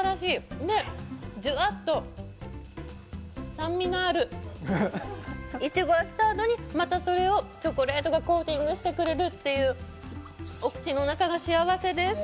で、ジュワっと酸味のあるいちごが来た後にまたそれをチョコレートがコーティングしてくれるっていう、お口の中が幸せです。